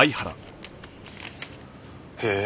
へえ。